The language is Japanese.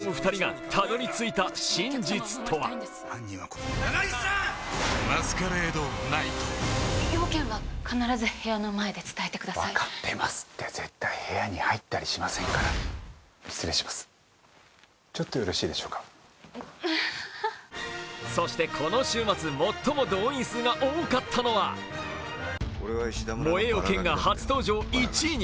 事件に挑む２人がたどりついた真実とはそして、この週末最も動員数が多かったのは「燃えよ剣」が初登場１位に。